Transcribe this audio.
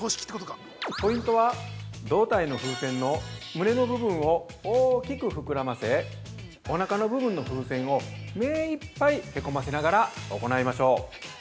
ポイントは、胴体の風船の胸の部分を大きく膨らませおなかの部分の風船を目いっぱいへこませながら行いましょう。